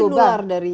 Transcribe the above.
mungkin luar dari